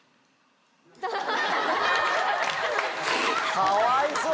かわいそう！